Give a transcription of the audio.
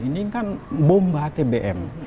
ini kan bomba atbm